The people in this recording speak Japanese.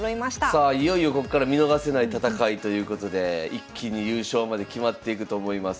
さあいよいよこっから見逃せない戦いということで一気に優勝まで決まっていくと思います。